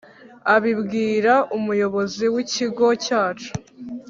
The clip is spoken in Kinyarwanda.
abibwira umuyobozi w’ikigo cyacu